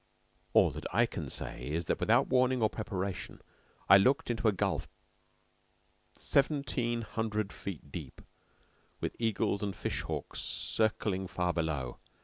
All that I can say is that without warning or preparation I looked into a gulf seventeen hundred feet deep, with eagles and fish hawks circling far below.